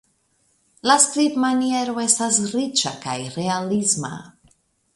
La skribmaniero estas riĉa kaj realisma.